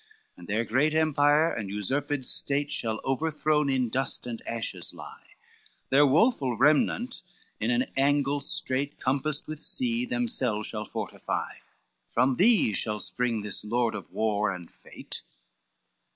XXIII "And their great empire and usurped state Shall overthrown in dust and ashes lie, Their woful remnant in an angle strait Compassed with sea themselves shall fortify, From thee shall spring this lord of war and fate."